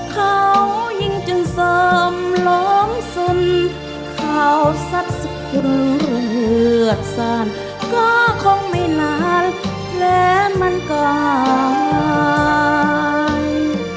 เขายิ่งจึงเสิร์มล้อมสุนเขาสัตว์สุขุนเรือดสานก็คงไม่นานและมันกลาย